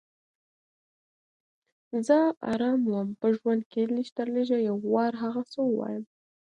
زه اړه وم په ژوند کې لږ تر لږه یو وار هغه څه ووایم.